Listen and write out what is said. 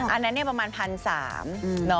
อันนั้นประมาณ๑๓๐๐บาท